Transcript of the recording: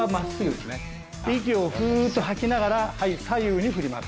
で息をふっと吐きながらはい左右に振ります。